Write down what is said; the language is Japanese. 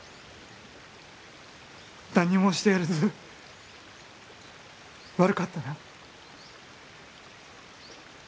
なんにもしてやれず悪かったな。